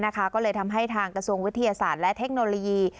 ก็เลยทำให้ทางกระทรวงวิทยาศาสตร์และเทคโนโลยี